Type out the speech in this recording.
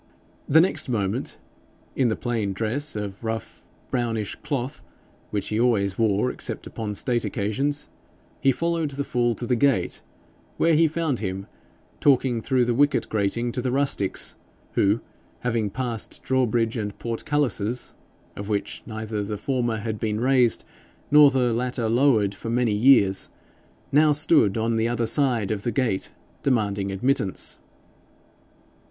The next moment, in the plain dress of rough brownish cloth, which he always wore except upon state occasions, he followed the fool to the gate, where he found him talking through the wicket grating to the rustics, who, having passed drawbridge and portcullises, of which neither the former had been raised nor the latter lowered for many years, now stood on the other side of the gate demanding admittance.